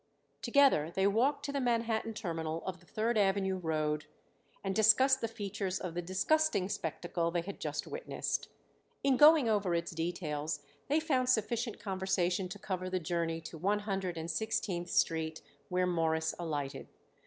Together they walked to the Manhattan terminal of the Third Avenue road and discussed the features of the disgusting spectacle they had just witnessed. In going over its details they found sufficient conversation to cover the journey to One Hundred and Sixteenth Street, where Morris alighted.